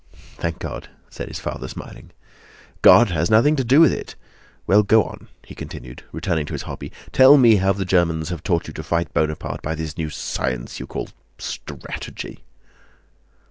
"Thank God," said his son smiling. "God has nothing to do with it! Well, go on," he continued, returning to his hobby; "tell me how the Germans have taught you to fight Bonaparte by this new science you call 'strategy.